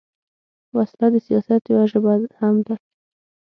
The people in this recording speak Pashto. وسله د سیاست یوه ژبه هم ده